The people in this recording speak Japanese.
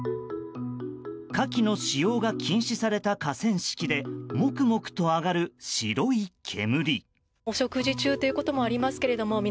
火気の使用が禁止された河川敷でもくもくと上がる白い煙。